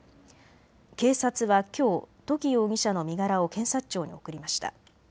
警察はきょう土岐容疑者の身柄を検察庁に送りました。